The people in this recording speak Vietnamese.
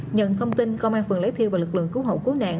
nhận thông tin công an phường lái thiêu và lực lượng cứu hậu cứu nạn